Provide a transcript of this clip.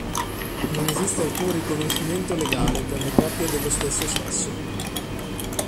Non esiste alcun riconoscimento legale per le coppie dello stesso sesso.